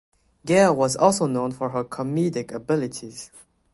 Gail was also known for her comedic abilities.